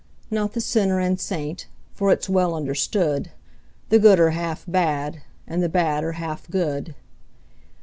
Not the sinner and saint, for it's well understood, The good are half bad, and the bad are half good.